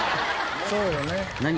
そうよね。